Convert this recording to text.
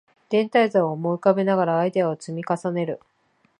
全体像を思い浮かべながらアイデアを積み重ねる